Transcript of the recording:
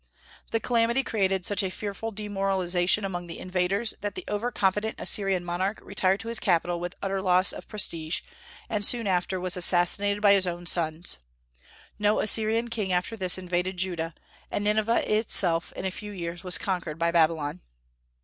The calamity created such a fearful demoralization among the invaders that the over confident Assyrian monarch retired to his capital with utter loss of prestige, and soon after was assassinated by his own sons. No Assyrian king after this invaded Judah, and Nineveh itself in a few years was conquered by Babylon.